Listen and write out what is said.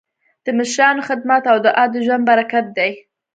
د مشرانو خدمت او دعا د ژوند برکت دی.